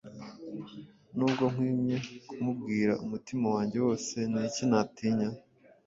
Nubwo nkwiye kumubwira umutima wanjye wose, ni iki natinya?